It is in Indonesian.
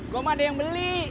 gue gak ada yang beli